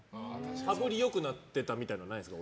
羽振り良くなってたみたいなのはないんですか？